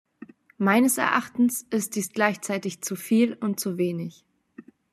Meines Erachtens ist dies gleichzeitig zuviel und zuwenig.